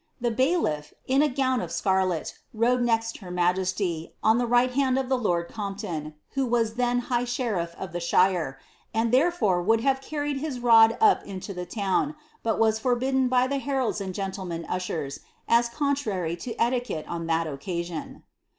The bailiff, in agown of scarlet, rode next her majesty, on the right hand of the lord Cmpton, who was then high sheriff of the shire, and therefore would carried his rod up into the town, but was forbidden by the heralds rijRDtlemen ush^v, as contrary to etiquette on that occasion.